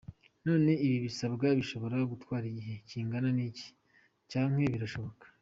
None ibi bisabwa bishobora gutwara igihe kingana iki, canke birashoboka?.